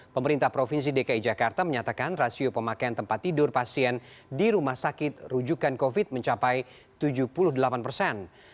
pemerintah provinsi dki jakarta menyatakan rasio pemakaian tempat tidur pasien di rumah sakit rujukan covid mencapai tujuh puluh delapan persen